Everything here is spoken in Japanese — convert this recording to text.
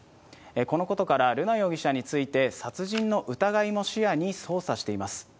このことから、瑠奈容疑者について殺人の疑いも視野に捜査しています。